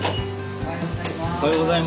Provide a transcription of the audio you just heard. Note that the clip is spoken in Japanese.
おはようございます。